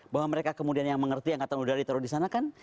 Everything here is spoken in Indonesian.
bahwa mereka kemudian yang mengerti angkatan udara ditaruh di sana kan